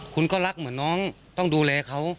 คุณก็รักเหมือนน้องต้องดูแลเขา